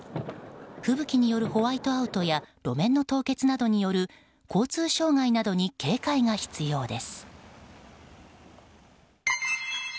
吹雪によるホワイトアウトや路面の凍結などによる交通障害などに警戒が必要です。